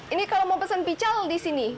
ini kalau mau pesen pical di sini